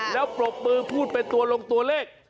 แล้วปรบมือพูดเป็นตัวลงตัวเลข